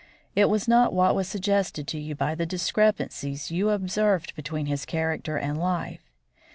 It was not what was suggested to you by the discrepancies you observed between his character and life.